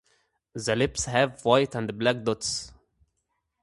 The lips have white and black dots.